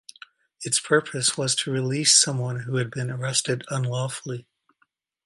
Its purpose was to release someone who had been arrested unlawfully.